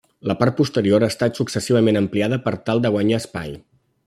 La part posterior ha estat successivament ampliada per tal de guanyar espai.